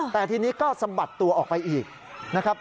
แต่ทีนี้ก็สะบัดตัวออกไปอีกนะครับ